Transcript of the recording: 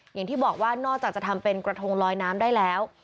อย่างที่บอกว่านอกจากจะทำเป็นกระทงลอยน้ำได้แล้ว